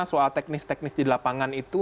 soal teknis teknis di lapangan itu